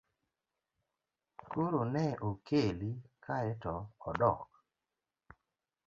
Koro ne okeli kaeto odok?